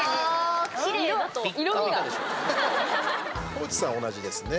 高地さんは同じですね。